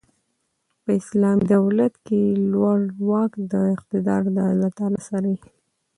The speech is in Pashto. په اسلامي دولت کښي لوړ واک او اقتدار د الله تعالی سره يي.